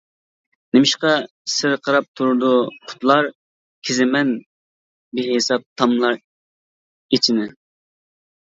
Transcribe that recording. نېمىشقا سىرقىراپ تۇرىدۇ پۇتلار، كېزىمەن بىھېساب تاملار ئىچىنى.